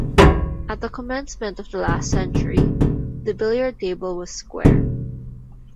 At the commencement of the last century, the billiard-table was square.